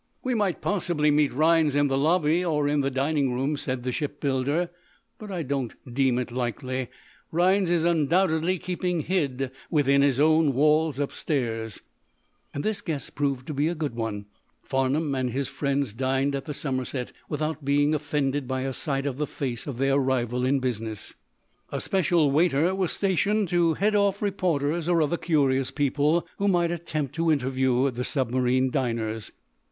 "We might possibly meet Rhinds in the lobby, or in the dining room," said the shipbuilder, "but I don't deem it likely. Rhinds is undoubtedly keeping hid within his own walls upstairs." This guess proved to be a good one. Farnum and his friends dined at the Somerset without being offended by a sight of the face of their rival in business. A special waiter was stationed to head off reporters or other curious people who might attempt to interview the submarine diners.